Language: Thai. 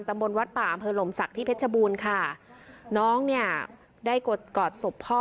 ตำบลวัดป่าอำเภอหลมศักดิ์ที่เพชรบูรณ์ค่ะน้องเนี่ยได้กดกอดศพพ่อ